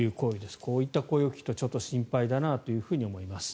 こういった声を聞くとちょっと心配だなと思います。